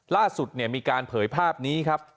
ล่าสุดมีการเผยภาพนี้ครับ